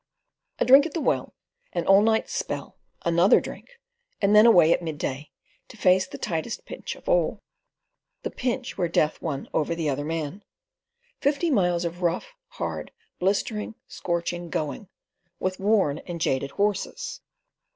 A drink at the well, an all night's spell, another drink, and then away at midday, to face the tightest pinch of all—the pinch where death won with the other mail man. Fifty miles of rough, hard, blistering, scorching "going," with worn and jaded horses.